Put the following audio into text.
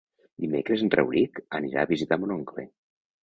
Dimecres en Rauric anirà a visitar mon oncle.